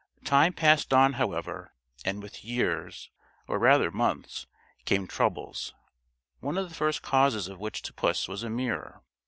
Time passed on, however, and with years, or rather months, came troubles, one of the first causes of which to puss was a mirror.